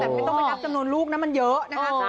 แต่ไม่ต้องไปนับจำนวนลูกนะมันเยอะนะคะ